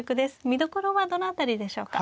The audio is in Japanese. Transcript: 見どころはどの辺りでしょうか。